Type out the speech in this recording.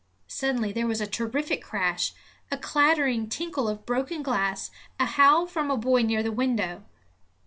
Suddenly there was a terrific crash, a clattering tinkle of broken glass, a howl from a boy near the window.